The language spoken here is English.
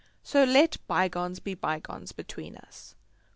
So let bygones be bygones between us.